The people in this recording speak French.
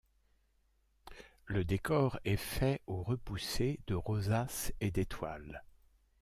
Le décor est fait, au repoussé, de rosaces et d'étoiles.